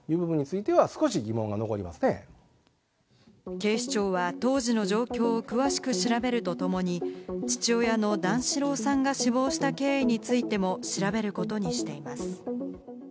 警視庁は当時の状況を詳しく調べるとともに、父親の段四郎さんが死亡した経緯についても調べることにしています。